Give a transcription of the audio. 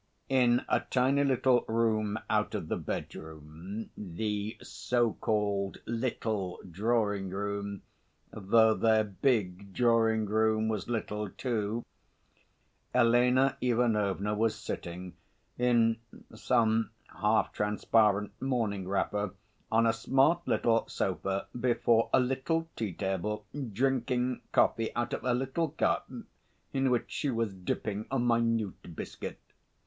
In a tiny little room out of the bedroom the so called little drawing room, though their big drawing room was little too Elena Ivanovna was sitting, in some half transparent morning wrapper, on a smart little sofa before a little tea table, drinking coffee out of a little cup in which she was dipping a minute biscuit.